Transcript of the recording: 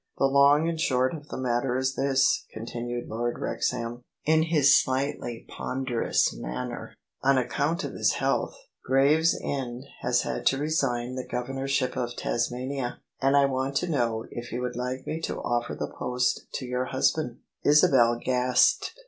"The long and short of the matter is this," continued Lord Wrexham, in his slightly ponderous manner: "on account of his health, Gravesend has had to resign the Governorship of Tasmania, and I want to know if you would like me to offer the post to your husband ?" Isabel gasped.